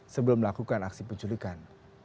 sebelum melakukan aksi penculikan